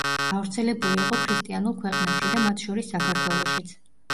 გავრცელებული იყო ქრისტიანულ ქვეყნებში და მათ შორის საქართველოშიც.